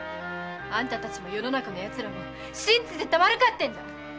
あんたたちも世の中のヤツらも信じてたまるか！